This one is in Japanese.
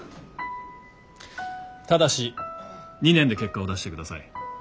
ただし２年で結果を出してください。